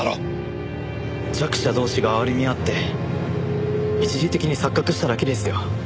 弱者同士が哀れみ合って一時的に錯覚しただけですよ。